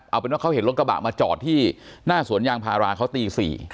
เอาเป็นว่าเขาเห็นรถกระบะมาจอดที่หน้าสวนยางพาราเขาตี๔